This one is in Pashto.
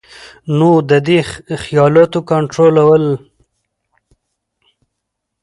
نو د دې خيالاتو کنټرول